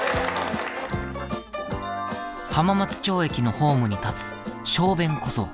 浜松町駅のホームに立つ小便小僧。